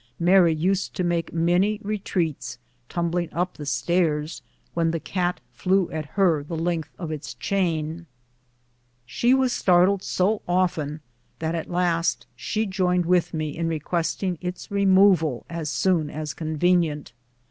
Mary used to make many re treats, tumbling up the stairs, when the cat flew at her the length of its chain. She was startled so often that at last she joined with me in requesting its removal as soon as convenient.